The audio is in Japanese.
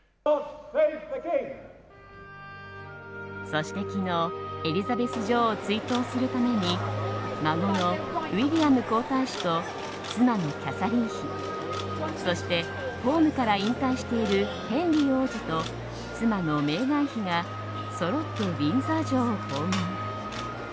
そして昨日エリザベス女王を追悼するために孫のウィリアム皇太子と妻のキャサリン妃そして、公務から引退しているヘンリー王子と妻のメーガン妃がそろってウィンザー城を訪問。